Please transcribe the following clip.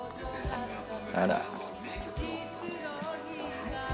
あら。